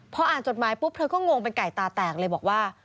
พออ่านจดหมายปุ๊บเธอก็งงเป็นไก่ตาแตกเลยบอกว่า